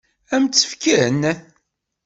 Ad m-tt-fken?